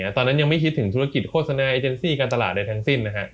ตอนนั้นยังไม่คิดถึงธุรกิจโฆษณาไอเจนซี่การตลาดใดทั้งสิ้นนะฮะ